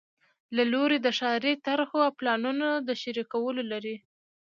له لوري د ښاري طرحو او پلانونو د شریکولو لړۍ